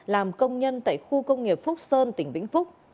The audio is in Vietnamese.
làm công nhân tại khu công nghiệp phúc sơn tỉnh vĩnh phúc